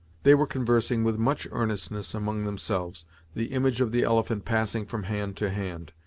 They were conversing, with much earnestness among themselves, the image of the elephant passing from hand to hand.